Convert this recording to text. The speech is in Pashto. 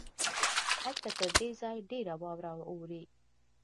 هلته تر دې ځای ډېره واوره اوري.